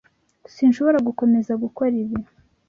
Sinshobora gukomeza gukora ibi.